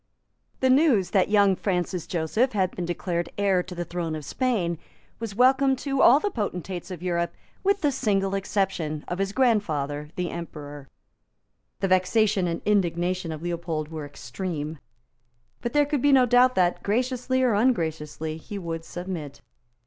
The news that young Francis Joseph had been declared heir to the throne of Spain was welcome to all the potentates of Europe with the single exception of his grandfather the Emperor. The vexation and indignation of Leopold were extreme. But there could be no doubt that, graciously or ungraciously, he would submit.